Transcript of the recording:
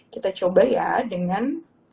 kita coba ya dengan